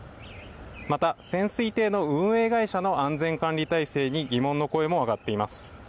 また潜水艇の運営会社の安全管理体制に疑問の声も上がっています。